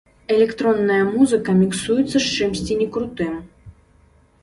Электронная музыка міксуецца з чымсьці некрутым!